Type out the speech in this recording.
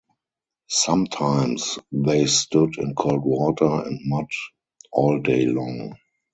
Sometimes they stood in cold water and mud all day long.